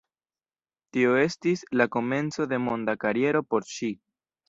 Tio estis la komenco de monda kariero por ŝi.